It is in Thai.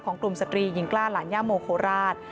กลุ่มสตรีหญิงกล้าหลานย่าโมโคราช